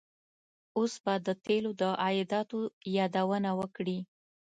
اوس به د تیلو د عایداتو یادونه وکړي.